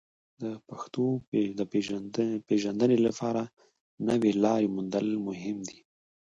د پښتو د پیژندنې لپاره نوې لارې موندل مهم دي.